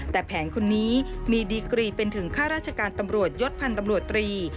แต่แผนคนนี้มีดีกรีเป็นถึงข้าราชการตำรวจยศพันธ์ตำรวจตรี